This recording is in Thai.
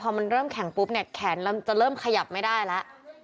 พอมันเริ่มแข็งปุ๊บเนี่ยแขนเราจะเริ่มขยับไม่ได้แล้ว